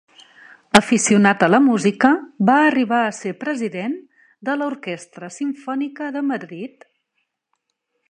Aficionat a la música, va arribar a ser president de l'Orquestra Simfònica de Madrid.